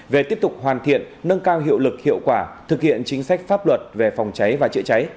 về tiếp tục hoàn thiện nâng cao hiệu lực hiệu quả thực hiện chính sách pháp luật về phòng cháy và chữa cháy